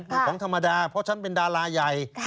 มีของธรรมดาเพราะฉันเป็นดาราใหญ่